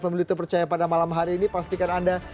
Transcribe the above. pemilu terpercaya pada malam hari ini pastikan anda